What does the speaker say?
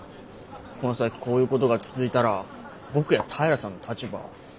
この先こういうことが続いたら僕や平さんの立場は。